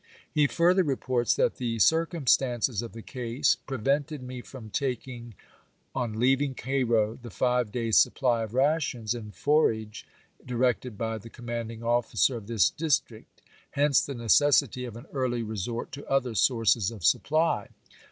He further reports that the circum stances of the case "prevented me from taking, on leaving Cairo, the five days' supply of rations and forage directed by the commanding officer of this district ; hence the necessity of an early resort to other sources of supply.